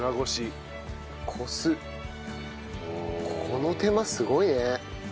この手間すごいね。